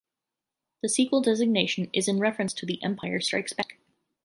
The sequel designation is in reference to "The Empire Strikes Back".